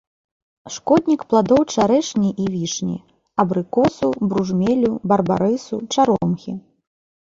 Шкоднік пладоў чарэшні і вішні, абрыкосу, бружмелю, барбарысу, чаромхі.